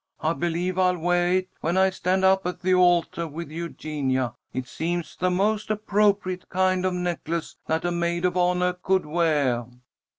I believe I'll weah it when I stand up at the altah with Eugenia. It seems the most appropriate kind of a necklace that a maid of honah could weah."